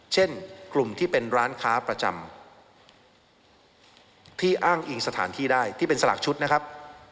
เช่นกลุ่มที่เป็นร้านค้าประจำที่อ้างอิงสถานที่ได้ที่เป็นสลากชุดนะครับ